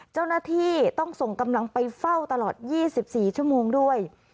เจ้าหน้าที่ต้องส่งกำลังไปเฝ้าตลอด๒๔ชั่วโมงด้วย